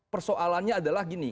persoalannya adalah gini